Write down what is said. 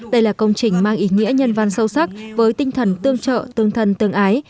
đây là công trình mang ý nghĩa nhân văn sâu sắc với tinh thần tương trợ tương thân tương ái